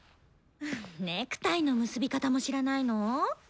ネクタイの結び方も知らないの？